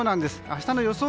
明日の予想